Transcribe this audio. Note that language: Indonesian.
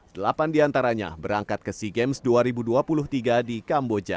delapan diantaranya berangkat ke sea games dua ribu dua puluh tiga di kamboja